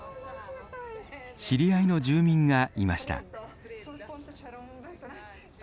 知り合いの住民がいました。